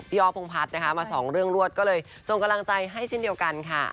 ออฟพงพัฒน์นะคะมาสองเรื่องรวดก็เลยส่งกำลังใจให้เช่นเดียวกันค่ะ